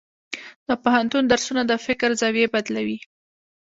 د پوهنتون درسونه د فکر زاویې بدلوي.